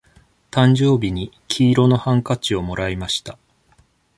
誕生日に黄色のハンカチをもらいました。